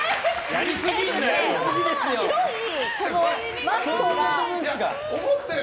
やりすぎんなよ！